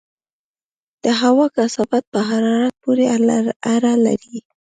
د هوا کثافت په حرارت پورې اړه لري.